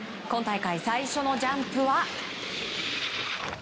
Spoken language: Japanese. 今大会最初のジャンプは。